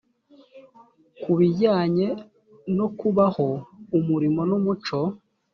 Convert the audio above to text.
kubijyanye no kubaho umurimo n umuco